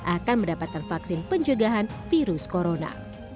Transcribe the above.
akan mendapatkan vaksin pencegahan virus corona